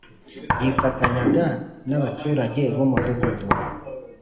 yifatanyaga n abaturage b Umudugudu